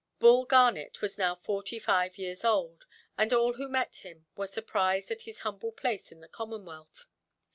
Bull Garnet was now forty–five years old, and all who met him were surprised at his humble place in the commonwealth.